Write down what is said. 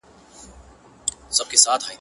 ما دعا دركړې ځه خداى دي پاچا كه!!